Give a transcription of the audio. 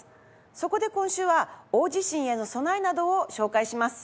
そこで今週は大地震への備えなどを紹介します。